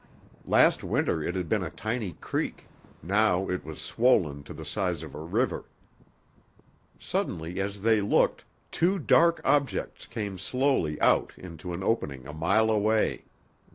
Last winter it had been a tiny creek; now it was swollen to the size of a river. Suddenly, as they looked, two dark objects came slowly out into an opening a mile away.